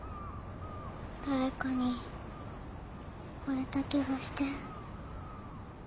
誰かに呼ばれた気がして。